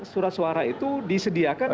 surat suara itu disediakan